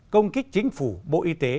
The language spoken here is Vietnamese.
công kích chính phủ bộ y tế